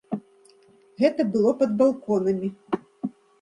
Гэта было пад балконамі.